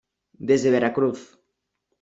desde Veracruz.